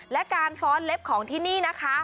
และการฟ้อนเล็บของที่นี่นะคะ